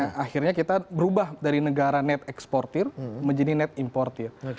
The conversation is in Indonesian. nah akhirnya kita berubah dari negara net eksportir menjadi net importer